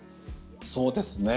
そうですね。